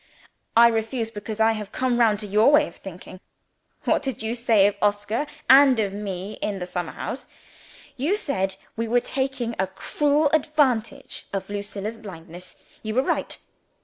"I refuse, because I have come round to your way of thinking. What did you say of Oscar and of me, in the summer house? You said we were taking a cruel advantage of Lucilla's blindness. You were right.